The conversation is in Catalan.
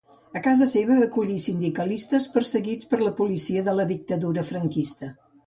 A casa seva acollí sindicalistes perseguits per la policia de la dictadura franquista.